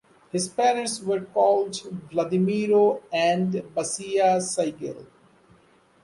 His parents were called Vladimiro and Basia Sigal.